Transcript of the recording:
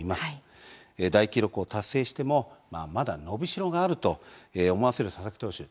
大記録を達成してもまだ伸びしろがあると思わせる佐々木投手。